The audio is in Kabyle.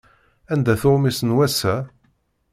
Anda-t uɣmis n wass-a?